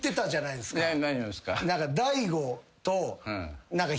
大悟と。